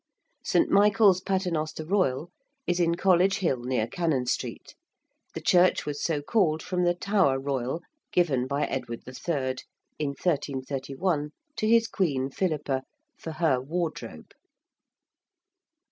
~St. Michael's Paternoster Royal~ is in College Hill, near Cannon Street. The church was so called from the Tower Royal given by Edward III. in 1331 to his queen, Philippa, for her wardrobe.